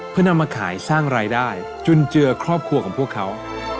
เพื่อนำมาขายสร้างรายได้จุนเจือครอบครัวของพวกเขา